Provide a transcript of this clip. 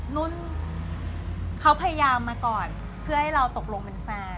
นุ่นเขาพยายามมาก่อนเพื่อให้เราตกลงเป็นแฟน